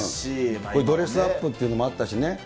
ドレスアップっていうのもあったしね。